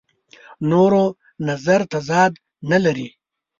نورو نظر تضاد نه لري.